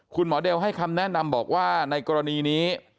คุณหมอเดลให้คำแนะนำบอกว่าในกรณีนี้